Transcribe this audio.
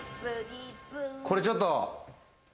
これちょっと。